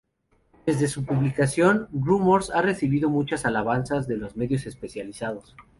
Desde su publicación "Rumours" ha recibido muchas alabanzas de los medios especializados.